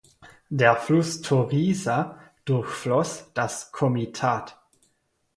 Der Fluss Torysa durchfloss das Komitat.